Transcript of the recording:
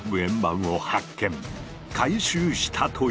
回収したというのだ！